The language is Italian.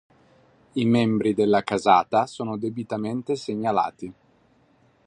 I membri della casata sono debitamente segnalati.